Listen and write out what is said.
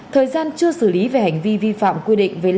thời gian chưa xử lý về hành vi vi phạm quy định về lái xe